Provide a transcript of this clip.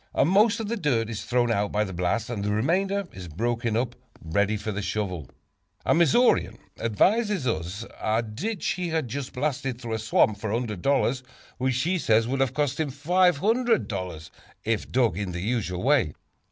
Most of the dirt is thrown out by the blast and the remainder is broken up ready for the shovel. A Missourian advises us of a ditch he has just blasted through a swamp for $100, which he says would have cost him $500 if dug in the usual way.